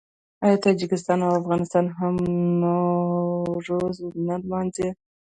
آیا تاجکستان او افغانستان هم نوروز نه لمانځي؟